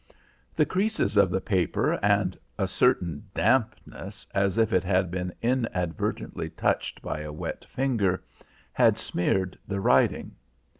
The creases of the paper and a certain dampness, as if it had been inadvertently touched by a wet finger, had smeared the writing.